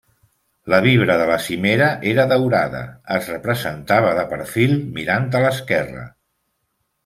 La vibra de la cimera era daurada, es representava de perfil, mirant a l'esquerra.